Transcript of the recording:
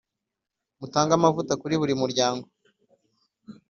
mutange amavuta kuri buri muryango